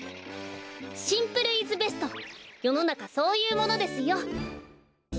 シンプルイズベストよのなかそういうものですよ。